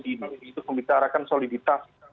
dihidupkan itu membicarakan soliditas